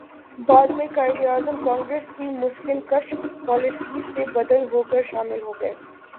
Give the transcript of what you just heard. بعد میں قائداعظم کانگریس کی مسلم کش پالیسیوں سے بددل ہوکر شامل ہوگئے